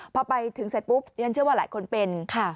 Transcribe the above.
พอไปถึงเสร็จปุ๊บดิฉันเชื่อว่าหลายคนเป็น